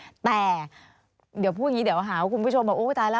จะไม่ได้มาในสมัยการเลือกตั้งครั้งนี้แน่